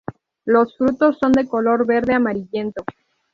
Los frutos son de color verde amarillento.